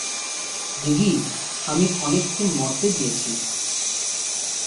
জিগি, আমি অনেককে মরতে দিয়েছি।